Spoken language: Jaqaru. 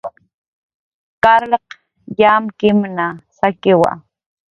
Carlq yamkimna sakiwa